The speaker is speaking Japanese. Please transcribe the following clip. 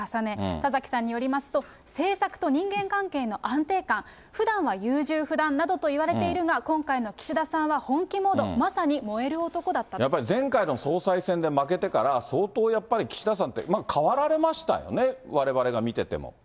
田崎さんによりますと、政策と人間関係の安定感、ふだんは優柔不断などといわれているが、今回の岸田さんは本気モやっぱり、前回の総裁選で負けてから、相当やっぱり、岸田さんって変わられましたよね、われわれが見てても。